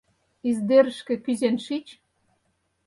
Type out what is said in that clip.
Издерышке кӱзен шич.